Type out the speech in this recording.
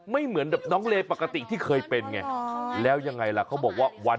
เหมือนแบบน้องเลปกติที่เคยเป็นไงแล้วยังไงล่ะเขาบอกว่าวัน